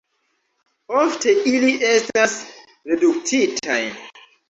Ofte ili estas reduktitaj.